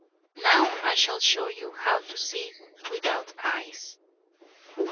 Now I shall show you how to see without eyes.